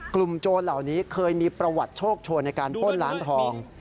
๒กลุ่มโจรเหล่านี้เคยมีประวัติโชคโชคเรียกเป้าหมายในการป้นร้านทอง